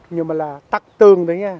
nhưng mà là tắc tường đấy nha